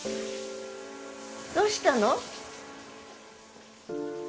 どうしたの？